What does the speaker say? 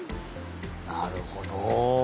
なるほど！